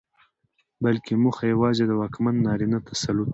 بلکې موخه يواځې د واکمن نارينه تسلط